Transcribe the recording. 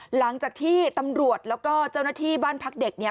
หลังจากที่ตำรวจแล้วก็เจ้าหน้าที่บ้านพักเด็กเนี่ย